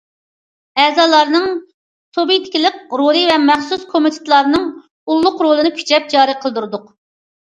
ئەزالارنىڭ سۇبيېكتلىق رولى ۋە مەخسۇس كومىتېتلارنىڭ ئۇللۇق رولىنى كۈچەپ جارى قىلدۇردۇق.